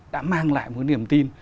đã mang lại một niềm tin